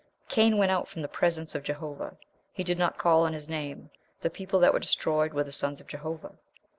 "Cain went out from the presence of Jehovah;" he did not call on his name; the people that were destroyed were the "sons of Jehovah."